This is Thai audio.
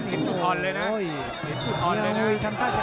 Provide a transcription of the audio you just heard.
เป้นความใช้เนวซีฟทมาสวน